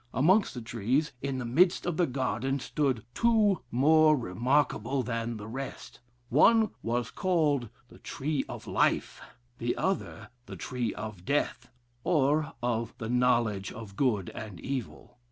Amongst the trees, in the midst of the garden, stood two more remarkable than the rest; one was called the tree of life, the other the tree of death, or of the knowledge of good and evil....